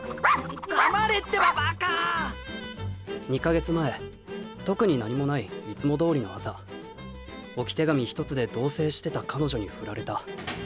２か月前特に何もないいつもどおりの朝置き手紙一つで同せいしてた彼女にフラれた。